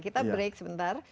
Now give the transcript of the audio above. kita break sebentar